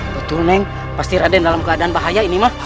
betul neng pasti raden dalam keadaan bahaya ini mak